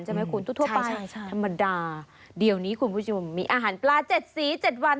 ใช่ไหมคุณทั่วไปธรรมดาเดี๋ยวนี้คุณผู้ชมมีอาหารปลา๗สี๗วัน